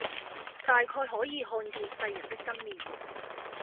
大概可以看見世人的真面目；